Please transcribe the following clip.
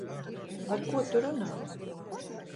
Par ko tu runā?